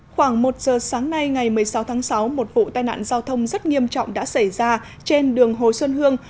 khoảng một giờ sáng nay ngày một mươi sáu tháng sáu một vụ tai nạn giao thông rất nghiêm trọng đã xảy ra trên đường hồ xuân hương